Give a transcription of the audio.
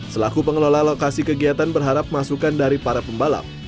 selaku pengelola lokasi kegiatan berharap masukan dari para pembalap